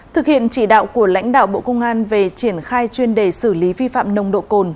thực hiện chỉ đạo của lãnh đạo bộ công an về triển khai chuyên đề xử lý vi phạm nồng độ cồn